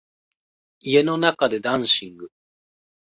家の中でダンシング